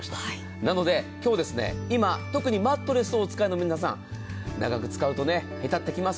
なので今日、今、特にマットレスをお遣いの皆さん、長く使うと、へたってきます。